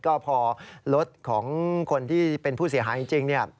ก็พอรถของคนที่เป็นผู้เสียหายจริง